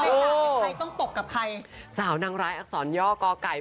สาวกับใครต้องตกกับใครสาวนางร้ายอักษรย่อกอไก่